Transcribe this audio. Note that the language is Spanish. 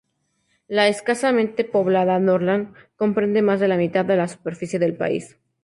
La escasamente poblada Norrland comprende más de la mitad de la superficie del país.